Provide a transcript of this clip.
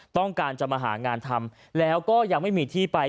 ต้องการจะมาหางานทำแล้วก็ยังไม่มีที่ไป